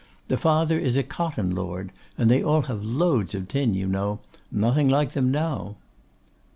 The father is a cotton lord, and they all have loads of tin, you know. Nothing like them now.